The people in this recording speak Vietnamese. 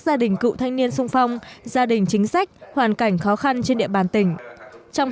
gia đình cựu thanh niên sung phong gia đình chính sách hoàn cảnh khó khăn trên địa bàn tỉnh trong